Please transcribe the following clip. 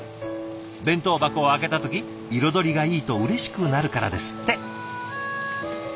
弁当箱を開けた時彩りがいいとうれしくなるからですって。